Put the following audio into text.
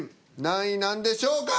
何位なんでしょうか！？